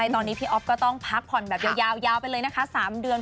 ตอนนี้พี่อ๊อฟก็ต้องพักผ่อนแบบยาวไปเลยนะคะ๓เดือน